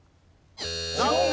残念！